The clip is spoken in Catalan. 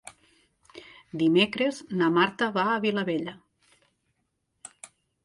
Dimecres na Marta va a Vilabella.